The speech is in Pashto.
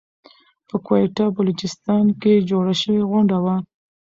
په کويټه بلوچستان کې جوړه شوى غونډه وه .